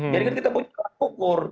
jadi kan kita punya ukur